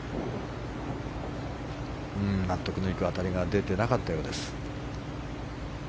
納得のいく当たりが出てないようです。